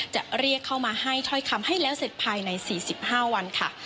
จะเรียกเข้ามาให้ถ้อยคำให้แล้วเสร็จภายใน๔๕วันค่ะ